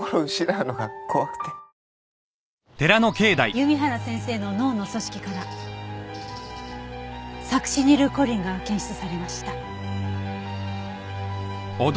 弓原先生の脳の組織からサクシニルコリンが検出されました。